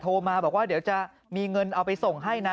โทรมาบอกว่าเดี๋ยวจะมีเงินเอาไปส่งให้นะ